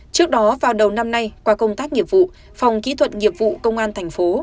trước đó vào đầu năm nay qua công tác nghiệp vụ phòng kỹ thuật nghiệp vụ công an thành phố